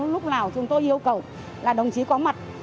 lúc nào chúng tôi yêu cầu là đồng chí có mặt